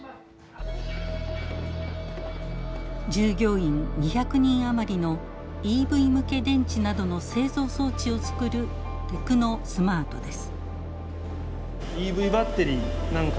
従業員２００人余りのＥＶ向け電池などの製造装置をつくるテクノスマートです。